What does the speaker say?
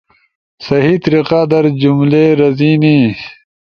صحیح طریقہ در جملے رزینی؟